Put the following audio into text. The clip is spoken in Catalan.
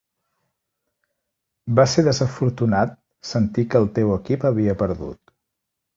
Va ser desafortunat sentir que el teu equip havia perdut.